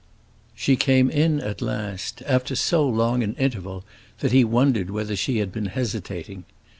She came in at last, after so long an interval that he wondered whether she had been hesitating.